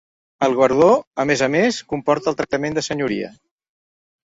El guardó, a més a més, comporta el tractament de senyoria.